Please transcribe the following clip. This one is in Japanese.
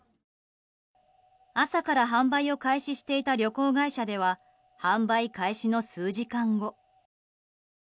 朝から販売を開始していた旅行会社では販売開始の数時間後。